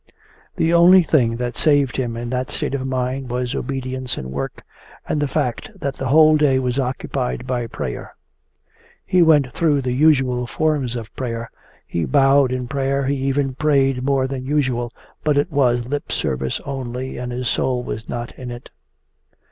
The only thing that saved him in that state of mind was obedience and work, and the fact that the whole day was occupied by prayer. He went through the usual forms of prayer, he bowed in prayer, he even prayed more than usual, but it was lip service only and his soul was not in it.